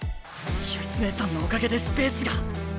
義経さんのおかげでスペースが。